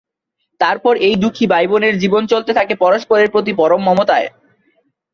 তারপরও এই দু:খী ভাইবোনের জীবন চলতে থাকে পরস্পরের প্রতি পরম মমতায়।